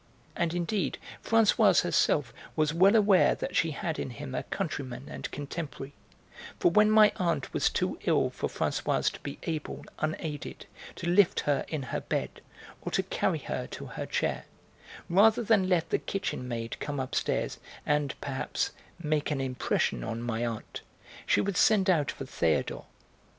And, indeed, Françoise herself was well aware that she had in him a countryman and contemporary, for when my aunt was too ill for Françoise to be able, unaided, to lift her in her bed or to carry her to her chair, rather than let the kitchen maid come upstairs and, perhaps, 'make an impression' on my aunt, she would send out for Théodore.